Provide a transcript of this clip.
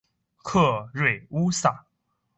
克瑞乌萨。